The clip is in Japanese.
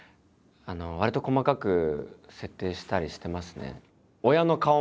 わりと細かく設定したりしてますね。